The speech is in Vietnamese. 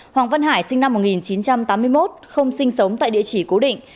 hoàng văn hải sinh năm một nghìn chín trăm tám mươi một không sinh sống tại địa chỉ cố định